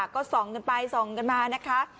ก็ส่องกันไปส่องกันมานะคะ